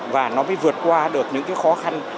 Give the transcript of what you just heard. và nó mới vượt qua được những cái khó khăn